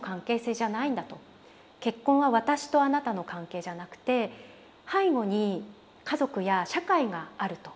結婚は私とあなたの関係じゃなくて背後に家族や社会があると。